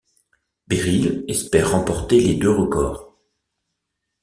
Beryl espère remporter les deux records.